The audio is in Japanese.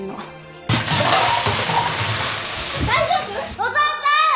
お父さん！